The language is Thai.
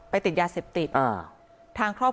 พระเจ้าอาวาสกันหน่อยนะครับ